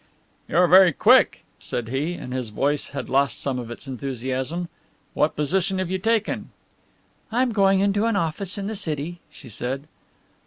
"You are very quick," said he, and his voice had lost some of its enthusiasm. "What position have you taken?" "I am going into an office in the city," she said.